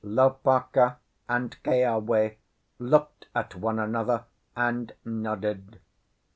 Lopaka and Keawe looked at one another and nodded.